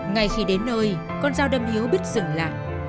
ngay khi đến nơi con dao đâm hiếu biết dừng lại